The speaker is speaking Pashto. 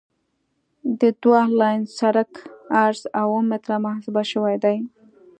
د دوه لاین سرک عرض اوه متره محاسبه شوی دی